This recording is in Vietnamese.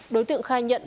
đối tượng khai nhận